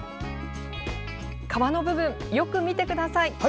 皮の部分、よく見てください。